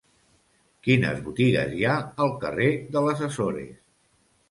Quines botigues hi ha al carrer de les Açores?